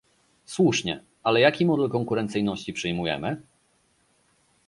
Słusznie, ale jaki model konkurencyjności przyjmujemy?